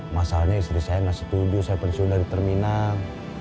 masalahnya istri saya nggak setuju saya pensiun dari terminal